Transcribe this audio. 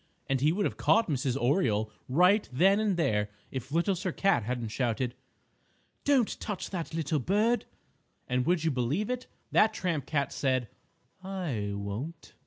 And he would have caught Mrs. Oriole right then and there if Little Sir Cat hadn't shouted: "Don't touch that little bird!" And would you believe it? That tramp cat said, "I won't!"